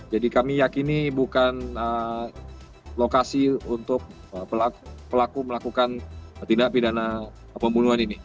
jadi kami yakini bukan lokasi untuk pelaku melakukan tindak pidana pembunuhan ini